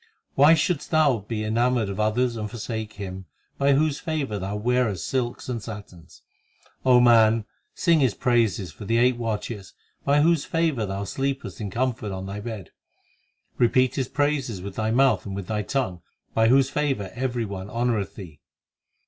1 Why shouldest thou be enamoured of others and forsake Him By whose favour thou wearest silks and satins ? O man, sing His praises for the eight watches By whose favour thou sleepest in comfort on thy bed. Repeat His praises with thy mouth and with thy tongue By whose favour every one honoureth thee.